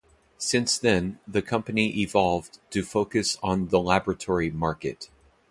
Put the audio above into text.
Since then, the company evolved to focus on the laboratory market.